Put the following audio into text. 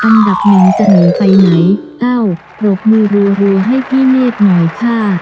อันดับหนึ่งจะหนีไปไหนเอ้าปรบมือรัวให้พี่เมฆหน่อยค่ะ